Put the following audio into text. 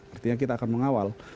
artinya kita akan mengawal